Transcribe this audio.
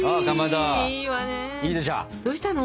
どうしたの？